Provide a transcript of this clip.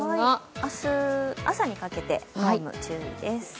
明日朝にかけて濃霧に注意です。